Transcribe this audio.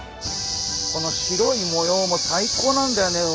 この白い模様も最高なんだよね。